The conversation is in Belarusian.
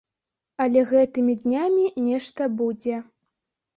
Але гэтымі днямі нешта будзе.